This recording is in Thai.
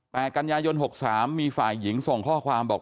แต่กัญญาโยน๖๓มีฝ่ายหญิงส่งข้อความบอก